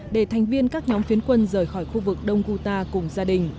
để thành viên các nhóm phiến quân rời khỏi khu vực này